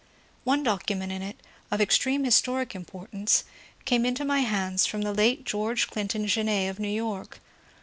One document in it, of extreme historic importance, came into my hands from the late George Clinton Grenet of New York.